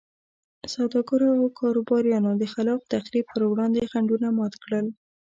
سوداګرو او کاروباریانو د خلاق تخریب پر وړاندې خنډونه مات کړل.